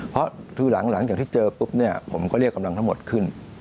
เพราะคือหลังจากที่เจอปุ๊บเนี่ยผมก็เรียกกำลังทั้งหมดขึ้น